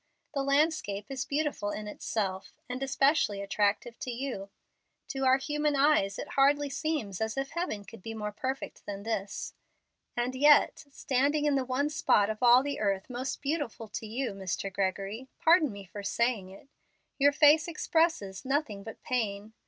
The landscape is beautiful in itself, and especially attractive to you. To our human eyes it hardly seems as if heaven could be more perfect than this. And yet, standing in the one spot of all the earth most beautiful to you, Mr. Gregory, pardon me for saying it, your face expresses nothing but pain.